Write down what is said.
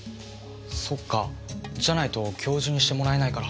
そっかじゃないと教授にしてもらえないから。